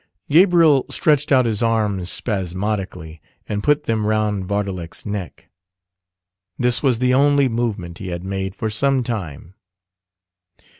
Gabriel stretched out his arms spasmodically, and put them round Vardalek's neck. This was the only movement he had made, for some time.